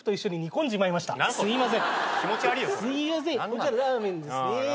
こちらラーメンですね。